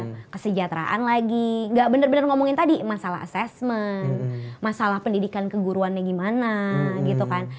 masalah kesejahteraan lagi gak bener bener ngomongin tadi masalah assessment masalah pendidikan keguruannya gimana gitu kan